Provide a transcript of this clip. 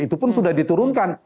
itu pun sudah diturunkan